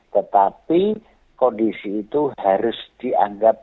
tetapi kondisi itu harus dianggap